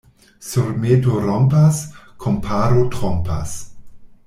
Surmeto rompas, komparo trompas.